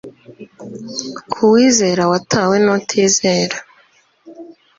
k'uwizera watawe nu tizera